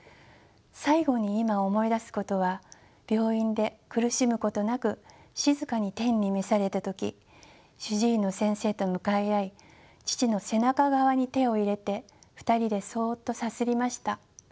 最後に今思い出すことは病院で苦しむことなく静かに天に召された時主治医の先生と向かい合い父の背中側に手を入れて２人でそっとさすりました。